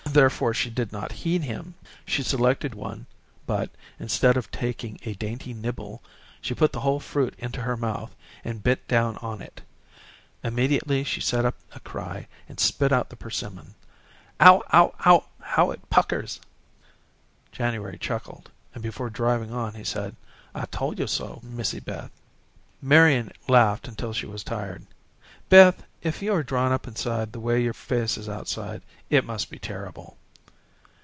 Therefore she did not heed him. She selected one, but, instead of taking a dainty nibble, she put the whole fruit into her mouth, and bit down on it. Immediately, she set up a cry, and spit out the persimmon. "Ow ow ow, how it puckers!" January chuckled, and, before driving on, he said: "I tole yo' so, Missy Beth." Marian laughed until she was tired. "Beth, if you are drawn up inside the way your face is outside, it must be terrible."